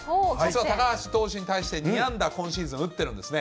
高橋投手に対して、２安打、今シーズン打ってるんですね。